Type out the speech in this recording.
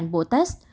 hai bộ test